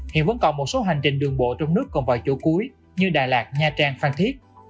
hiện vẫn còn một số hành trình đường bộ trong nước còn vào chỗ cuối như đà lạt nha trang phan thiết